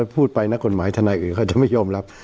พูดไปนักกฎหมายทนายอื่นเขาจะไม่ยอมรับ